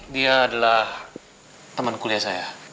dia adalah teman kuliah saya